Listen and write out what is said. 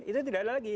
jadi tidak ada lagi